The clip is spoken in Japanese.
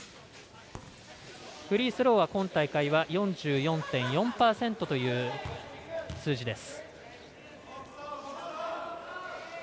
フリースローは今大会は４４．４％という数字です。